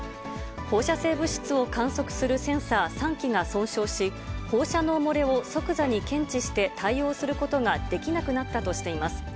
放射性物質を観測するセンサー３基が損傷し、放射能漏れを即座に検知して対応することができなくなったとしています。